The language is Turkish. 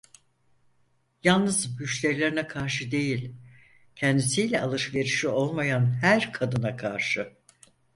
Yalnız müşterilerine karşı değil, kendisiyle alışverişi olmayan her kadına karşı.